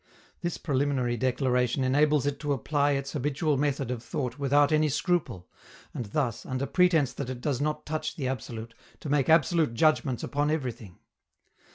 This preliminary declaration enables it to apply its habitual method of thought without any scruple, and thus, under pretense that it does not touch the absolute, to make absolute judgments upon everything.